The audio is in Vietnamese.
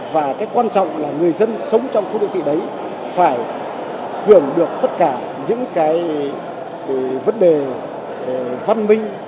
và cái quan trọng là người dân sống trong khu đô thị đấy phải hưởng được tất cả những cái vấn đề văn minh